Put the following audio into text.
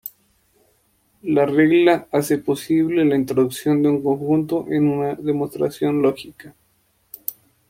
La regla hace posible la introducción de una conjunción en una demostración lógica.